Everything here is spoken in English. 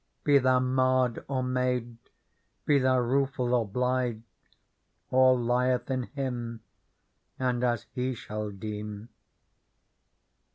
Be thou marred or made, be thou rueful or blithe. All lieth in Him and as He shall deem."